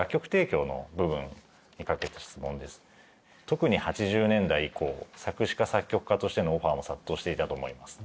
特に８０年代以降作詞家・作曲家としてのオファーも殺到していたと思います。